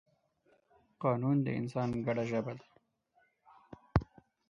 قانون د انسان ګډه ژبه ده.